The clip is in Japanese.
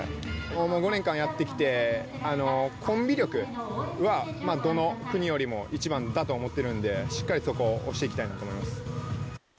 ５年間やってきて、コンビ力はどの国よりも一番だと思ってるので、しっかりそこを押していきたいと思います。